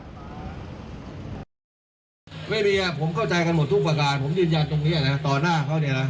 ไม่มีผมเข้าใจกันหมดทุกประการผมยืนยันตรงนี้นะต่อหน้าเขาเนี่ยนะ